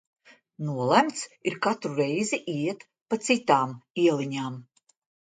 Nolemts ir katru reizi iet pa citām ieliņām.